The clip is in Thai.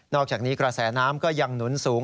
อกจากนี้กระแสน้ำก็ยังหนุนสูง